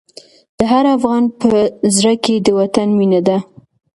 د هر افغان په زړه کې د وطن مینه ده.